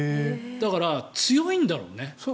だから、強いんだろうね。